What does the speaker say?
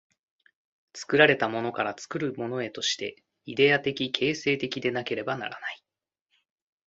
作られたものから作るものへとして、イデヤ的形成的でなければならない。